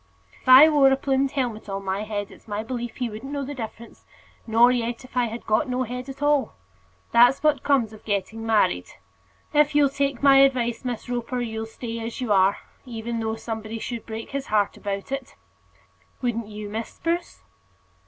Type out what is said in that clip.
"If I wore a plumed helmet on my head, it's my belief he wouldn't know the difference; nor yet if I had got no head at all. That's what comes of getting married. If you'll take my advice, Miss Roper, you'll stay as you are; even though somebody should break his heart about it. Wouldn't you, Miss Spruce?"